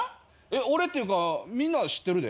俺っていうかみんな知ってるで。